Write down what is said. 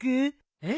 えっ？